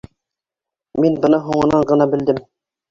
Мин быны һуңынан ғына белдем.